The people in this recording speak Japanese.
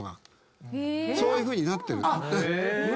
そういうふうになってる。